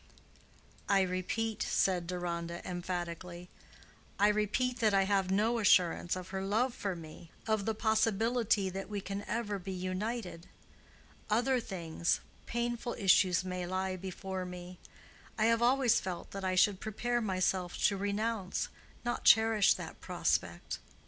"I repeat," said Deronda, emphatically—"I repeat that I have no assurance of her love for me, of the possibility that we can ever be united. Other things—painful issues may lie before me. I have always felt that I should prepare myself to renounce, not cherish that prospect.